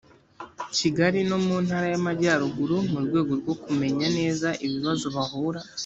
kigali no mu ntara y amajyarugu mu rwego rwo kumenya neza ibibazo bahura